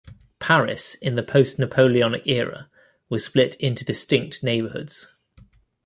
Paris in the post-Napoleonic era was split into distinct neighborhoods.